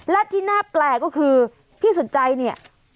และที่น่าแปลกก็คือพี่สุดใจเนี่ย